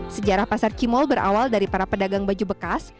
sejarah pasar cimol berawal dari para pedagang baju bekas